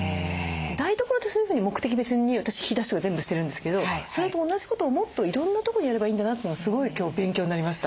台所ってそういうふうに目的別に私引き出しとか全部してるんですけどそれと同じことをもっといろんなとこにやればいいんだなってすごい今日勉強になりました。